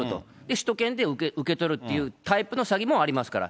首都圏で受け取るっていうタイプの詐欺もありますから。